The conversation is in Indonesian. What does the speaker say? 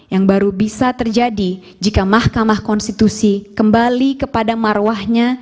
yang baru bisa terjadi jika mahkamah konstitusi kembali kepada marwahnya